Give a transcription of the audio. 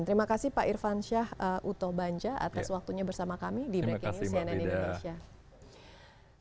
terima kasih pak irvan syah utoh banja atas waktunya bersama kami di breaking news cnn indonesia